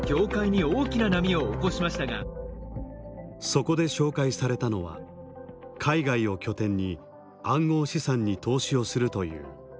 そこで紹介されたのは海外を拠点に暗号資産に投資をするというジュビリーエース。